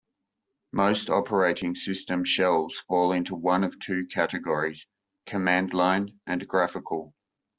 Most operating system shells fall into one of two categories command-line and graphical.